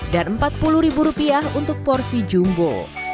dan rp empat puluh untuk porsi jumbo